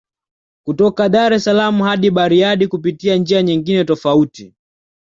Kutoka Dar es salaaam hadi Bariadi kupitia njia nyingine tofauti